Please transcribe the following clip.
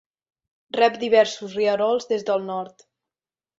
Rep diversos rierols des del nord.